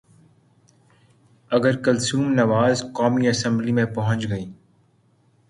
اگر کلثوم نواز قومی اسمبلی میں پہنچ گئیں۔